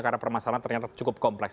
karena permasalahan ternyata cukup kompleks